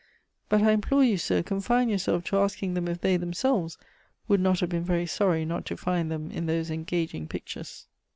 But I implore you, Sir, confine yourself to asking them if they themselves would not have been very sorry not to find them in those engaging pictures.